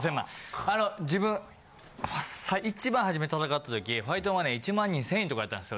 自分一番初め戦った時ファイトマネー１万２０００円とかやったんですよ